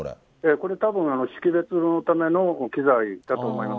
これ、たぶん、識別のための機材だと思います。